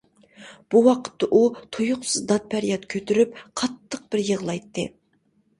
بۇ ۋاقىتتا ئۇ تۇيۇقسىز داد-پەرياد كۆتۈرۈپ، قاتتىق بىر يىغلايتتى.